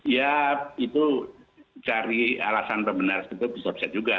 ya itu cari alasan pembenaran itu bisa juga